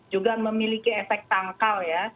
juga memiliki efek tangkal ya